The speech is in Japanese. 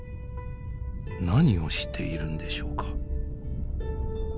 何をしているんでしょうか？